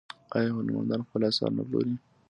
آیا هنرمندان خپل اثار نه پلوري؟